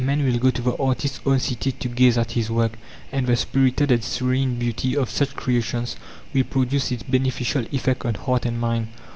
Men will go to the artist's own city to gaze at his work, and the spirited and serene beauty of such creations will produce its beneficial effect on heart and mind.